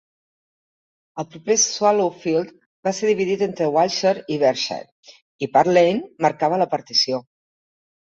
El proper Swallowfield va ser dividit entre Wiltshire i Berkshire, i "Part Lane" marcava la partició.